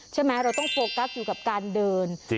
ใช่ไหมเราต้องโฟกัสอยู่กับการเดิน